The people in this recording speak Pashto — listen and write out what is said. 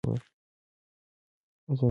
ازادي راډیو د د ښځو حقونه ته پام اړولی.